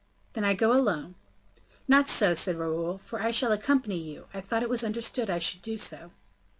"Then I go alone." "Not so," said Raoul, "for I shall accompany you; I thought it was understood I should do so."